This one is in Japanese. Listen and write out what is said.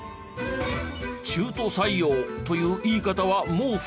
中途採用という言い方はもう古い。